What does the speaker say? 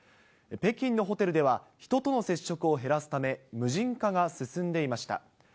北京のホテルでは、人との接触を減らすため、無人化が進んでいました。